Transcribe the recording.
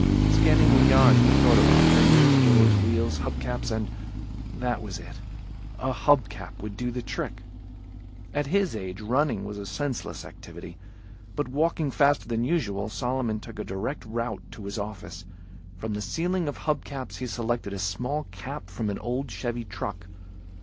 Scanning the yard he thought of fenders, doors, wheels, hub caps and ... that was it. A hub cap would do the trick. At his age, running was a senseless activity, but walking faster than usual, Solomon took a direct route to his office. From the ceiling of hub caps, he selected a small cap from an old Chevy truck.